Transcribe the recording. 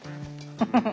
フフフ。